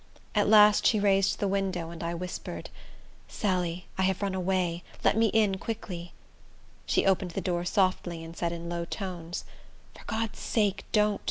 At last she raised the window, and I whispered, "Sally, I have run away. Let me in, quick." She opened the door softly, and said in low tones, "For God's sake, don't.